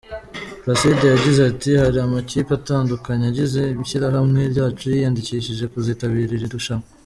Placide yagize ati : “Hari amakipe atandukanye agize ishyirahamwe ryacu yiyandikishije kuzitabira iri rushanwa.